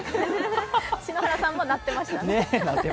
篠原さんもなってましたね。